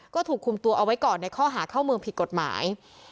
ก็ถูกคุมตัวเอาไว้ก่อนในข้อหาเข้าเมืองผิดกฎหมาย